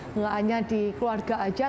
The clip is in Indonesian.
tidak hanya di keluarga saja